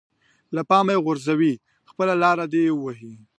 له پامه يې وغورځوي خپله لاره دې وهي.